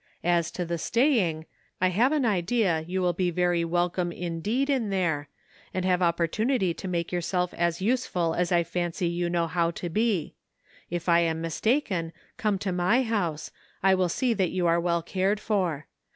As to the staying, I have an idea you will be very welcome indeed in there, and have opportunity to make your self as useful as I fancy you know how to be ; if I am mistaken come to my house, I will see that you are well cared for.